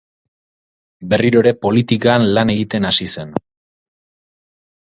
Berriro ere politikan lan egiten hasi zen.